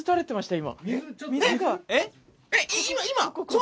今？